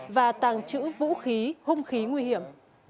và tàng trữ vũ khí hung khí nguy hiểm